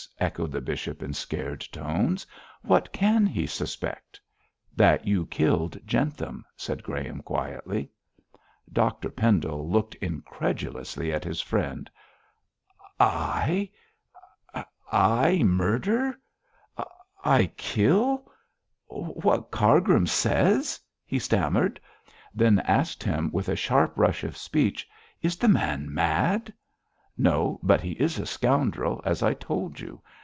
echoed the bishop, in scared tones. 'What can he suspect?' 'That you killed Jentham,' said Graham, quietly. Dr Pendle looked incredulously at his friend. 'I I murder I kill what Cargrim says,' he stammered; then asked him with a sharp rush of speech, 'Is the man mad?' 'No; but he is a scoundrel, as I told you.